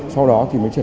sau đó thì mới trần đoán